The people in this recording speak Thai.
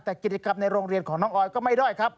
แต่กิจกรรมในโรงเรียนของน้องออยก็ไม่ได้ครับ